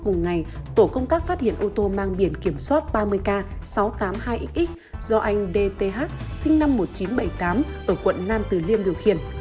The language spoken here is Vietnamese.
hôm nay tổ công tác phát hiện ô tô mang biển kiểm soát ba mươi h ba trăm tám mươi hai xx do anh dth sinh năm một nghìn chín trăm bảy mươi tám ở quận nam từ liêm điều khiển